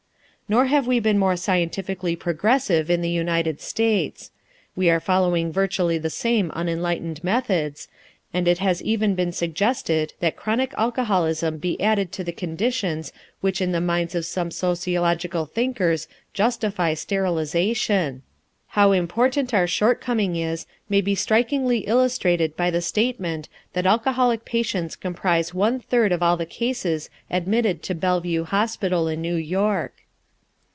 Nor have we been more scientifically progressive in the United States. We are following virtually the same unenlightened methods, and it has even been suggested that chronic alcoholism be added to the conditions which in the minds of some sociological thinkers justify sterilization. How important our shortcoming is may be strikingly illustrated by the statement that alcoholic patients comprise one third of all the cases admitted to Bellevue Hospital in New York.